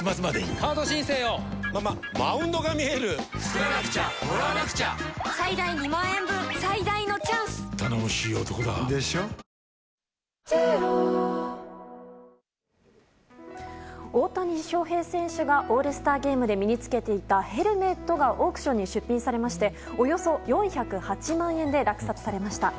湿った空気などの影響を受けて雨が長引く可能性があるので大谷翔平選手がオールスターゲームで身に着けていたヘルメットがオークションに出品されましておよそ４０８万円で落札されました。